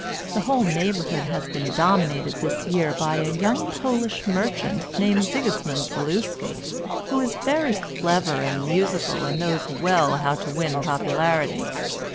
The whole neighbourhood has been dominated this year by a young Polish merchant named Sigismund Zaluski, who is very clever and musical and knows well how to win popularity.